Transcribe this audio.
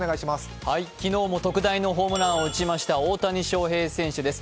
昨日も特大のホームランを打ちました大谷翔平選手です。